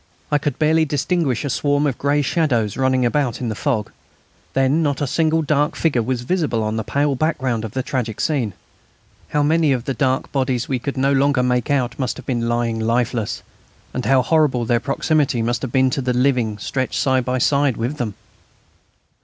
I could barely distinguish a swarm of grey shadows running about in the fog. Then not a single dark figure was visible on the pale background of the tragic scene. How many of the bodies we could no longer make out must have been lying lifeless, and how horrible their proximity must have been to the living stretched side by side with them!